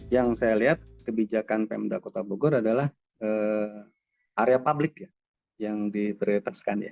yang saya lihat kebijakan pemda kota bogor adalah area public yang diperliteskan